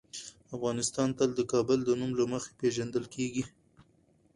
افغانستان تل د کابل د نوم له مخې پېژندل کېږي.